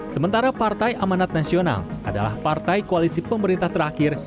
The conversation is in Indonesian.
sementara partai amanat nasional adalah partai koalisi pemerintah terakhir